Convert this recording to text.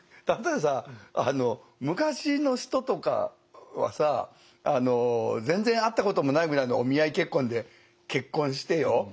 例えばさ昔の人とかはさ全然会ったこともないぐらいのお見合い結婚で結婚してよ